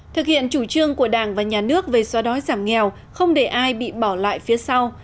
thực hiện chủ trương của đảng và nhà nước về xóa đói giảm nghèo không để ai bị bỏ lại phía sau